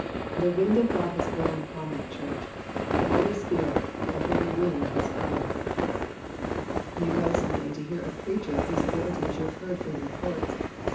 The Wind of God has blown upon that church; the Holy Spirit, the Holy Wind, has come. You go some day to hear a preacher of whose abilities you have heard great reports.